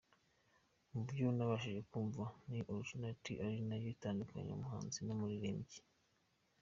Mu byo nabashije kwumva ni originalite ari nayo itandukanya umuhanzi n’umuririmbyi.